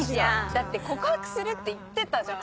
だって告白するって言ってたじゃん。